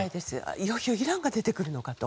いよいよイランが出てくるのかと。